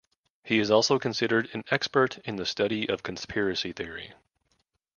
He is considered an expert in the study of conspiracy theory.